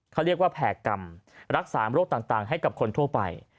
เขาเรียกว่าแผ่กรรมรักษาโรคต่างให้กับคนทั่วไป